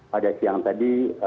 pada siang tadi